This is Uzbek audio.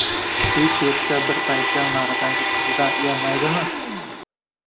Hech yoʻqsa bir paykal naridagi qizidan uyalmaydimi?